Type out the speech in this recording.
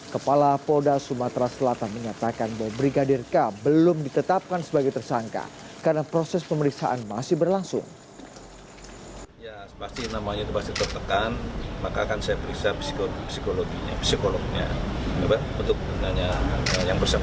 kepala polda sumatera selatan menyatakan bahwa brigadir k belum ditetapkan sebagai tersangka karena proses pemeriksaan masih berlangsung